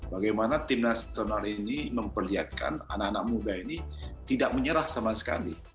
bagaimana tim nasional ini memperlihatkan anak anak muda ini tidak menyerah sama sekali